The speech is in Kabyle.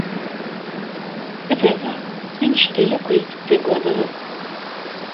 A baba, anect-a akk ay tettagadeḍ?